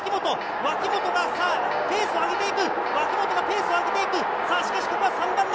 脇本がペースを上げていく！